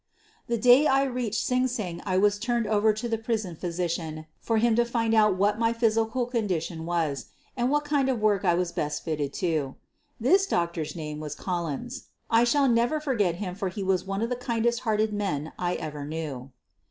The day I reached Sing Sing I was turned over to the prison physician for him to find out what my physical condition was, and what kind of work I was best fitted to do. This doctor's name was Collins. I shall never forget him for he was one of the kind est hearted men I ever knew.